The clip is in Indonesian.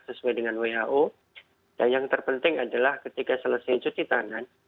sesuai dengan who dan yang terpenting adalah ketika selesai cuci tangan